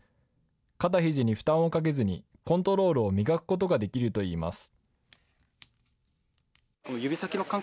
肩ひじに負担をかけずに、コントロールを磨くことができるといいます。